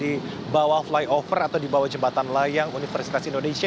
di bawah flyover atau di bawah jembatan layang universitas indonesia